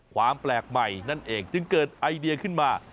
ความแปลกใหม่นั่นเองจึงเกิดไอเดียขึ้นมา